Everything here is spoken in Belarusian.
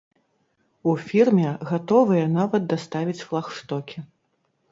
У фірме гатовыя нават даставіць флагштокі.